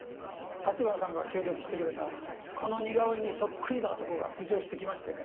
立花さんが協力してくれたこの似顔絵にそっくりな男が浮上してきましてね。